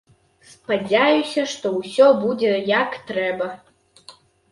Спадзяюся, што ўсё будзе, як трэба!